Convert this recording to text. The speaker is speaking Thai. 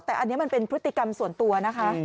แต่อันนี้มันเป็นพฤติกรรมส่วนตัวนะคะ